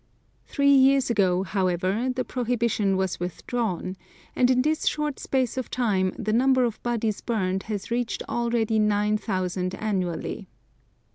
Three years ago, however, the prohibition was withdrawn, and in this short space of time the number of bodies burned has reached nearly nine thousand annually.